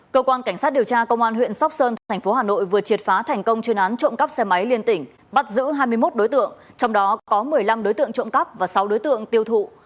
cơ quan cảnh sát điều tra công an huyện sóc sơn thành phố hà nội vừa triệt phá thành công chuyên án trộm cắp xe máy liên tỉnh bắt giữ hai mươi một đối tượng trong đó có một mươi năm đối tượng trộm cắp và sáu đối tượng tiêu thụ